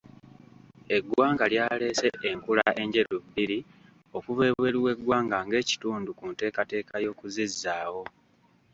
Eggwanga lyaleese enkula enjeru bbiri okuva ebweru w'eggwanga ng'ekitundu ku nteekateeka y'okuzizzaawo.